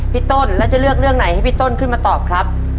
พี่ต้นแล้วจะเลือกเรื่องไหนให้พี่ต้นขึ้นมาตอบครับ